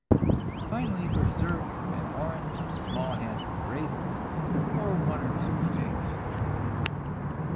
Finally, for dessert, an orange and a small handful of raisins, or one or two figs.